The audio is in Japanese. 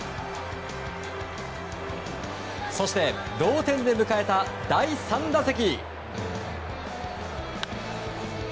そして、同点で迎えた第３打席。